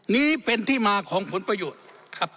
นี้เป็นที่มาของผลประโยชน์ครับ